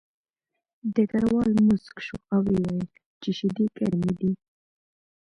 ډګروال موسک شو او ویې ویل چې شیدې ګرمې دي